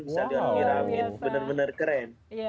bisa lihat mirah air benar benar keren